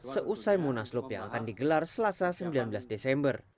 seusai munaslup yang akan digelar selasa sembilan belas desember